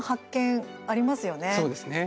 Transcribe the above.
そうですよね。